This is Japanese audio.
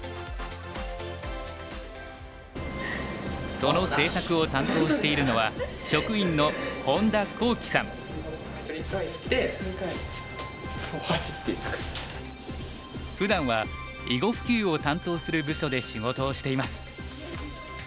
その制作を担当しているのはふだんは囲碁普及を担当する部署で仕事をしています。